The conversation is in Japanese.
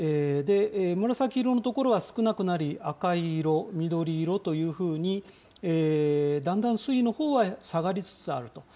紫色の所は少なくなり赤い色、緑色というふうに、だんだん水位のほうは下がりつつあると。